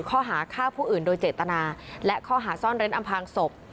ข้อหาฆ่าผู้อื่นโดยเจตนาและข้อหาซ่อนเร้นอำพางศพ